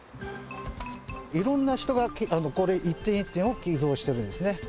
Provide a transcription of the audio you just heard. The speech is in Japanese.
色んな人がこれ一点一点を寄贈してるんですね。